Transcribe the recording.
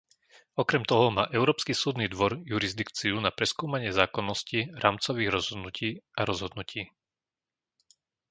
Okrem toho má Európsky súdny dvor jurisdikciu na preskúmanie zákonnosti rámcových rozhodnutí a rozhodnutí.